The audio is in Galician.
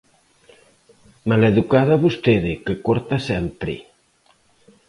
¡Maleducada vostede, que corta sempre!